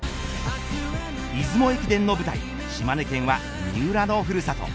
出雲駅伝の舞台、島根県は三浦のふるさと。